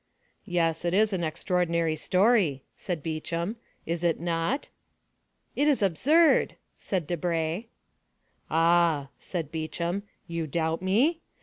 "Yes, it is an extraordinary story," said Beauchamp; "is it not?" "It is absurd," said Debray. "Ah," said Beauchamp, "you doubt me?